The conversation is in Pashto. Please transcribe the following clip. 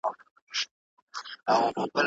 آيا ته هره ورځ مطالعه کوې؟